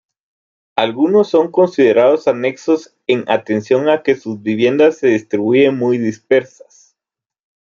Algunos son considerados Anexos en atención a que sus viviendas se distribuyen muy dispersas.